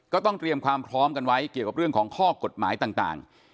ก็ต้องเตรียมความพร้อมกันไว้เกี่ยวกับเรื่องของข้อกฎหมายต่าง